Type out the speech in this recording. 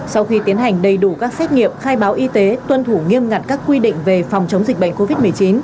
sau khi tiến hành đầy đủ các xét nghiệm khai báo y tế tuân thủ nghiêm ngặt các quy định về phòng chống dịch bệnh covid một mươi chín